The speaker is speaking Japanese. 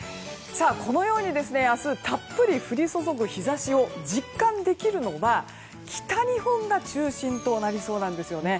このように明日たっぷり降り注ぐ日差しを実感できるのは北日本が中心となりそうなんですよね。